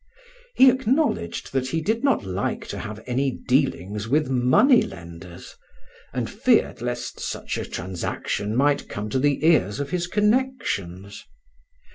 He acknowledged that he did not like to have any dealings with money lenders, and feared lest such a transaction might come to the ears of his connexions.